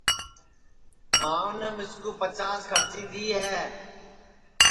ماںٚو مِسکُو پچاس کھرچی دؔی ہے